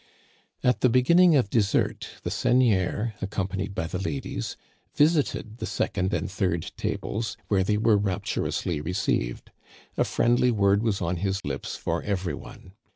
At the beginning of dessert the seigneur, accompanied by the ladies, visited the second and third tables, where they were rapturously received. A friendly word was on his lips for every one.